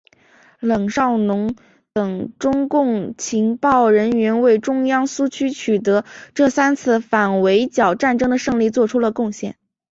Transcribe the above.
冷少农等中共情报人员为中央苏区取得这三次反围剿战争的胜利作出了贡献。